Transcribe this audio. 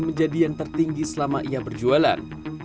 menjadi yang tertinggi selama ia berjualan